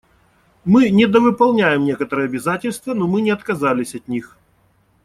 Мы недовыполняем некоторые обязательства, но мы не отказались от них.